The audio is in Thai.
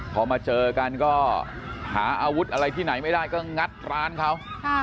พอมาเจอกันก็หาอาวุธอะไรที่ไหนไม่ได้ก็งัดร้านเขา